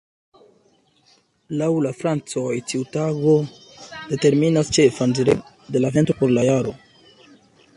Laŭ la francoj tiu tago determinas ĉefan direkton de la vento por la jaro.